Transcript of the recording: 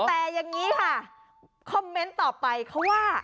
แต่อย่างนี้ค่ะคอมเมนต์ต่อไปเขาว่า